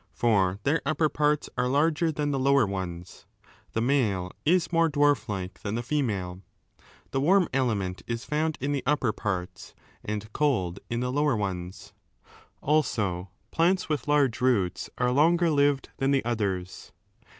For their upper parts are larger than the lower ones (the male is more dwarflike ^ than the female) ; the warm element is found in the upper 7 parts and cold in the lower ones. Also plants with 467 d large roots are longer lived than the others.